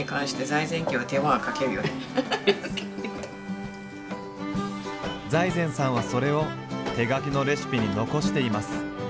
財前さんはそれを手書きのレシピに残しています。